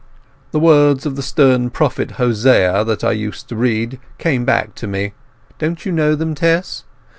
The words of the stern prophet Hosea that I used to read come back to me. Don't you know them, Tess?